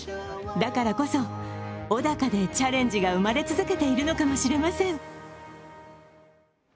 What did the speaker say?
だからこそ、小高でチャレンジが生まれ続けているのかもしれません。